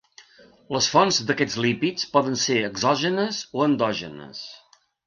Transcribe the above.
Les fonts d'aquests lípids poden ser exògenes o endògenes.